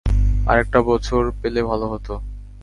আরেকটা বছর পেলে ভালো হত।